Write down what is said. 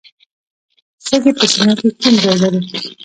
سږي په سینه کې کوم ځای لري